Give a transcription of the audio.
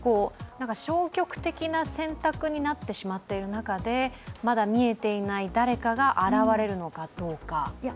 消極的な選択になってしまっている中でまだ見えていない誰かが現れるのかどうか。